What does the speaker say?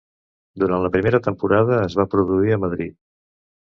Durant la primera temporada es va produir a Madrid.